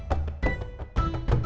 assalamualaikum warahmatullahi wabarakatuh